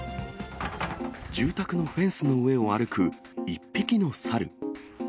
住宅のフェンスの上を歩く１匹の猿。